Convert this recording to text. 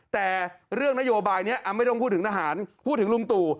แต่เรื่องนโยบายนี้ไม่ต้องพูดถึงทหารพูดถึงลุงตู่